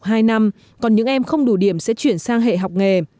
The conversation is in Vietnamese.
trong hai năm còn những em không đủ điểm sẽ chuyển sang hệ học nghề